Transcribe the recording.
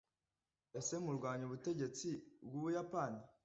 ese murwanya ubutegetsi bw’u buyapani